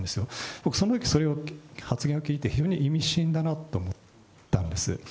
僕、そのときその発言を聞いて、非常に意味深だなと思ったんです。